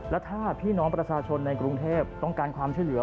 แล้วถ้าพี่น้องประชาชนในกรุงเทพต้องการความช่วยเหลือ